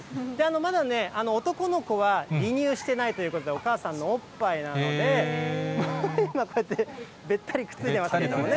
まだね、男の子は離乳していないということで、お母さんのおっぱいなので、今こうやってべったりくっついてますよね。